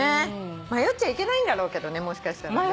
迷っちゃいけないんだろうけどねもしかしたらね。